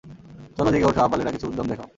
চলো, জেগে উঠো, আবালেরা কিছু উদ্যম দেখাও!